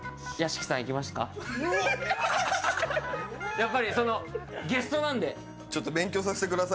やっぱり、ゲストなんで。